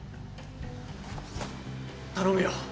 頼むよ。